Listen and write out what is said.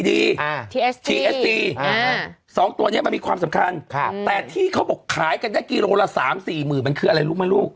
ทีเอสตีทีเอสตีอ่าสองตัวเนี้ยมันมีความสำคัญค่ะแต่ที่เขาบอกขายกันได้กิโลกรัมละสามสี่หมื่นมันคืออะไรลูกมั้ยลูก